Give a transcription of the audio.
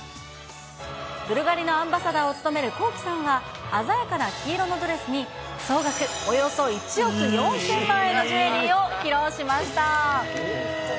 ブルガリのアンバサダーを務めるＫｏｋｉ，さんは、鮮やかな黄色のドレスに、総額およそ１億４０００万円のジュエリーを披露しました。